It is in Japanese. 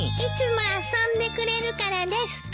いつも遊んでくれるからです。